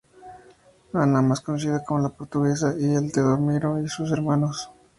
Ana, más conocida como la portuguesa,y el de Teodomiro y sus hermanos.